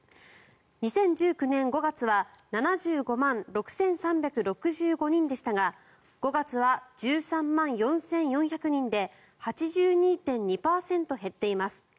２０１９年５月は７５万６３６５人でしたが５月は１３万４４００人で８２．２％減っています。